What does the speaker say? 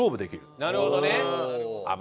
なるほどね！